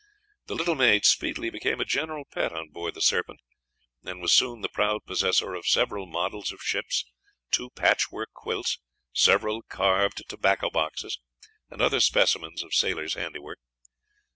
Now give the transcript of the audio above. The little maid speedily became a general pet on board the Serpent, and was soon the proud possessor of several models of ships, two patchwork quilts, several carved tobacco boxes, and other specimens of sailors' handiwork.